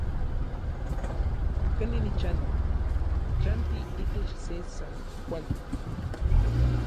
¿Kanin nichanti? Nichanti itech se San Juan.